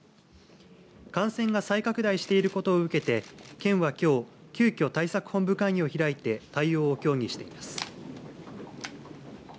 感染が再拡大していることを受けて県はきょう、急きょ対策本部会議を開いて対応を協議しています。